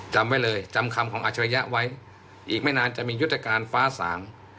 จำไว้เลยจำคำของอัจฉริยะไว้อีกไม่นานจะมียุทธการฟ้าสาง